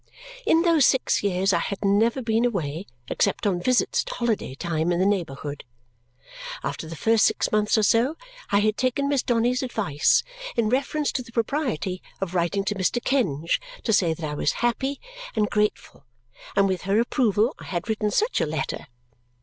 In those six years I had never been away except on visits at holiday time in the neighbourhood. After the first six months or so I had taken Miss Donny's advice in reference to the propriety of writing to Mr. Kenge to say that I was happy and grateful, and with her approval I had written such a letter.